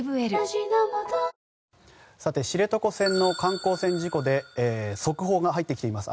さて、知床の観光船事故で速報が入ってきています。